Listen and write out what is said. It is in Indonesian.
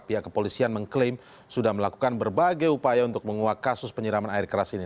pihak kepolisian mengklaim sudah melakukan berbagai upaya untuk menguak kasus penyiraman air keras ini